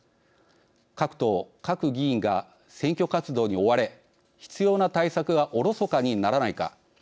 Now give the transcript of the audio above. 各党・各議員が選挙活動に追われ必要な対策がおろそかにならないか。